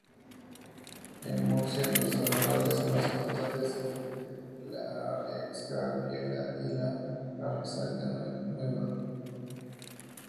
En Murcia, los arrabales más importantes eran la Arrixaca Vieja y la Arrixaca Nueva.